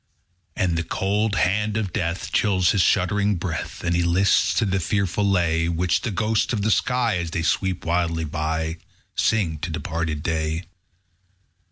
2. And the cold hand of death Chills his shuddering breath, As he lists to the fearful lay Which the ghosts of the sky, _10 As they sweep wildly by, Sing to departed day.